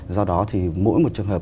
do đó thì mỗi một trường hợp